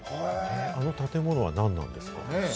あの建物は何なんですか？